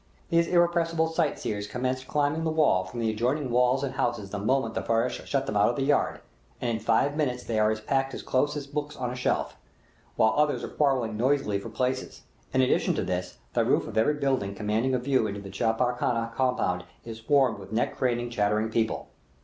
These irrepressible sight seers commenced climbing the wall from the adjoining walls and houses the moment the farash shut them out of the yard, and in five minutes they are packed as close as books on a shelf, while others are quarreling noisily for places; in addition to this, the roof of every building commanding a view into the chapar khana compound is swarmed with neck craning, chattering people.